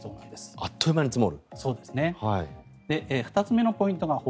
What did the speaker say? あっという間に積もる。